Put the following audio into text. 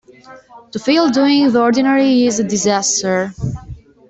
To fail doing the ordinary is a disaster.